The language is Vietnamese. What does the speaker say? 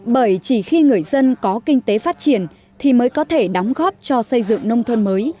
bởi chỉ khi người dân có kinh tế phát triển thì mới có thể đóng góp cho xây dựng nông thôn mới